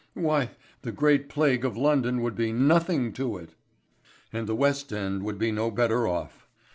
Why, the Great Plague of London would be nothing to it. And the West End would be no better off.